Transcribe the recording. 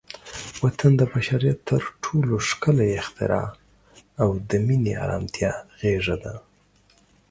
وطن د بشریت تر ټولو ښکلی اختراع او د مینې، ارامتیا غېږه ده.